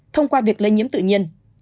thông qua việc lây nhiễm tự nhiên